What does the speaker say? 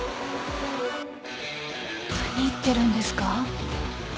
何言ってるんですか？